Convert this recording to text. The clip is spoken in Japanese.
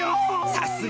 さすが。